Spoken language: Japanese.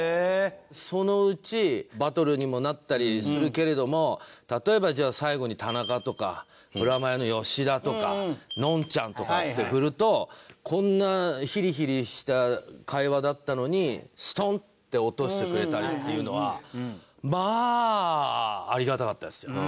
そのうちバトルにもなったりするけれども例えばじゃあ最後に田中とかブラマヨの吉田とかのんちゃんとかって振るとこんなヒリヒリした会話だったのにストンって落としてくれたりっていうのはまあありがたかったですよ。